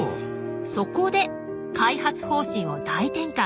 そこで開発方針を大転換。